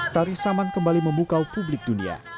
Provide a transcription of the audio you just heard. tari saman kembali membuka publik dunia